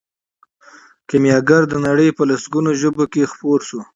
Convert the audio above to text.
کیمیاګر د نړۍ په لسګونو ژبو کې خپور شو.